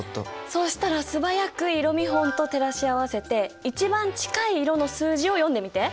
そうしたらすばやく色見本と照らし合わせて一番近い色の数字を読んでみて！